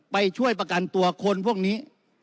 ไปช่วยประกันตัวคนพวกนี้